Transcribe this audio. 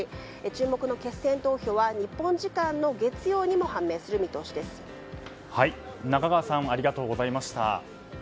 注目の決選投票は日本時間の月曜にも中川さんありがとうございました。